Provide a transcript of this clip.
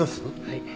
はい。